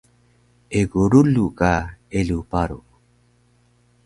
Egu rulu ka eluw paru